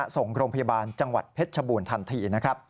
ส่งโรงพยาบาลจังหวัดเพชรชบูรณทันทีนะครับ